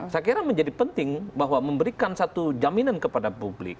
saya kira menjadi penting bahwa memberikan satu jaminan kepada publik